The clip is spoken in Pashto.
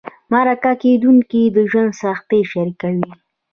مرکه کېدونکي د ژوند سختۍ شریکوي.